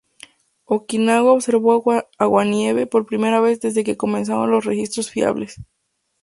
Okinawa observó aguanieve por primera vez desde que comenzaron los registros fiables.